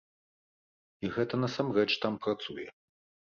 І гэта насамрэч там працуе.